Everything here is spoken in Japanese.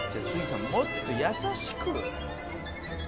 さんもっと優しく」